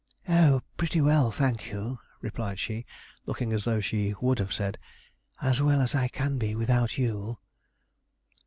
"Oh, pretty well, thank you," replied she, looking as though she would have said, "As well as I can be without you."